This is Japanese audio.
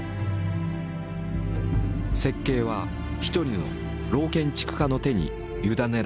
設計は一人の老建築家の手に委ねられた。